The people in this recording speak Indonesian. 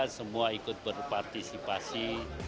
semua ikut berpartisipasi